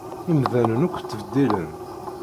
Imdanen akk ttbeddilen.